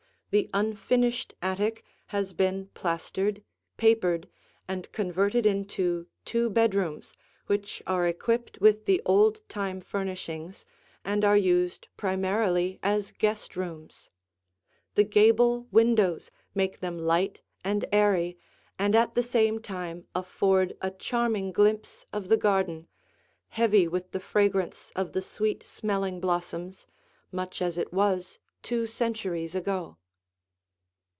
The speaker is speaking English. The unfinished attic has been plastered, papered, and converted into two bedrooms which are equipped with the old time furnishings and are used primarily as guest rooms. The gable windows make them light and airy and at the same time afford a charming glimpse of the garden, heavy with the fragrance of the sweet smelling blossoms, much as it was two centuries ago.